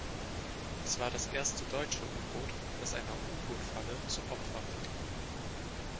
Es war das erste deutsche U-Boot, das einer U-Boot-Falle zum Opfer fiel.